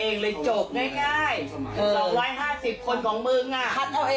นี่วิวการดูประชุมสภาเพื่อเลือกนายกในวันนี้